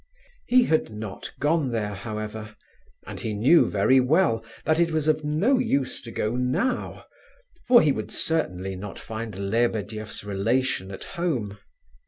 He had not gone there, however; and he knew very well that it was of no use to go now, for he would certainly not find Lebedeff's relation at home.